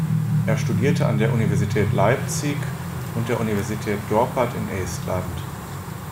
Er studierte an der Universität Leipzig und der Universität Dorpat in Estland.